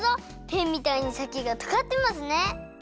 ペンみたいにさきがとがってますね。